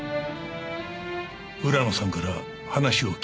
浦野さんから話を聞けたな？